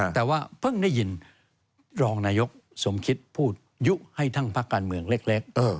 แต่ว่าเพิ่งได้ยินรองนายกสมคิดพูดยุให้ทั้งพักการเมืองเล็ก